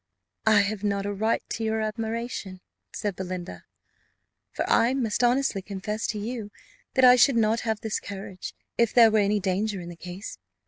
"I have not a right to your admiration," said Belinda; "for I must honestly confess to you that I should not have this courage if there were any danger in the case.